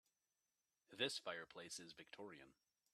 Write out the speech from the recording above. This fireplace is victorian.